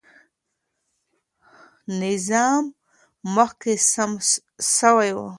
نظام مخکې سم سوی و.